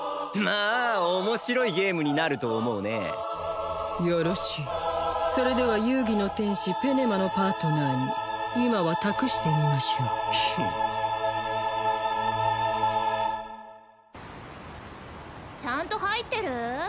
まあ面白いゲームになると思うねよろしいそれでは遊戯の天使ペネマのパートナーに今は託してみましょう・ちゃんと入ってる？